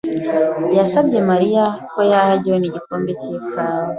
yasabye Mariya ko yaha John igikombe cy'ikawa.